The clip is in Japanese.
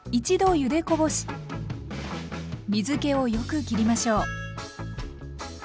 ゆでこぼし水けをよく切りましょう。